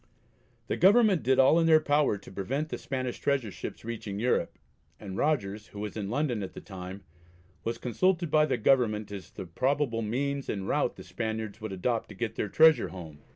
The Government did all in their power to prevent the Spanish treasure ships reaching Europe, and Rogers, who was in London at the time, was consulted by the Government as to the probable means and route the Spaniards would adopt to get their treasure home.